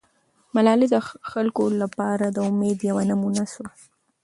ملالۍ د خلکو لپاره د امید یوه نمونه سوه.